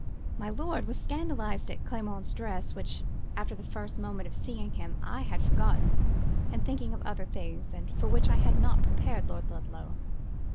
"My lord was scandalized at Clement's dress, which, after the first moment of seeing him I had forgotten, in thinking of other things, and for which I had not prepared Lord Ludlow.